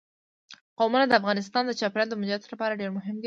قومونه د افغانستان د چاپیریال د مدیریت لپاره ډېر مهم دي.